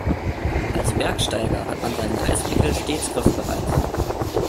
Als Bergsteiger hat man seinen Eispickel stets griffbereit.